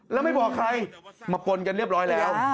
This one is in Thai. แล้วไม่บอกใครมาปนกันเรียบร้อยแล้ว